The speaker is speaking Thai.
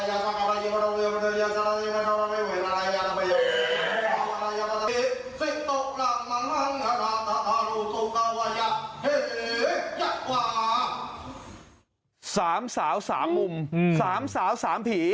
สามสาวสามพิ